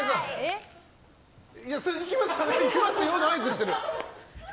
いきますよの合図してる！